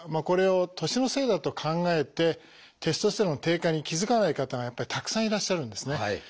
これを年のせいだと考えてテストステロンの低下に気付かない方がやっぱりたくさんいらっしゃるんですね。